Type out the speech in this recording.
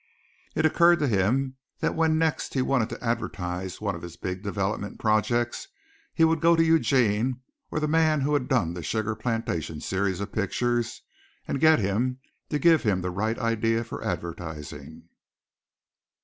It occurred to him that when next he wanted to advertise one of his big development projects, he would go to Eugene or the man who had done the sugar plantation series of pictures and get him to give him the right idea for advertising.